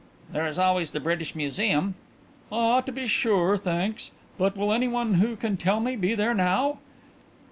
"There is always the British Museum." "Ah, to be sure, thanks. But will anyone who can tell me be there now?" "Now?